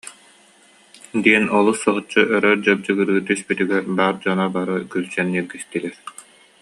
диэн олус соһуччу өрө дьабдьыгырыы түспүтүгэр, баар дьон бары күлсэн ньиргистилэр